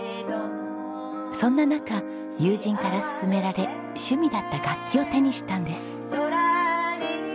そんな中友人から勧められ趣味だった楽器を手にしたんです。